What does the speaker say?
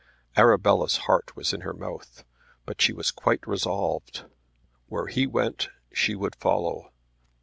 Arabella's heart was in her mouth, but she was quite resolved. Where he went she would follow.